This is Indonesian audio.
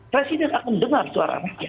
presiden akan dengar suara rakyat